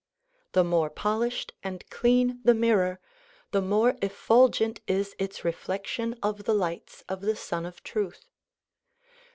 The more polished and clean the mirror, the more effulgent is its re flection of the lights of the Sun of Truth.